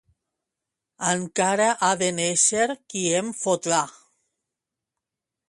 Encara ha de néixer qui em fotrà.